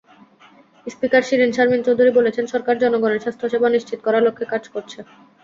Speaker Shirin Sharmin Chowdhury বলেছেন, সরকার জনগণের স্বাস্থ্যসেবা নিশ্চিত করার লক্ষ্যে কাজ করছে।